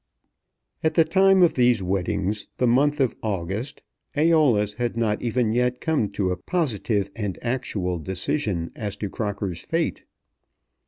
At the time of these weddings, the month of August, Æolus had not even yet come to a positive and actual decision as to Crocker's fate.